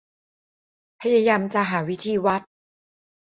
พยายามจะหาวิธีวัด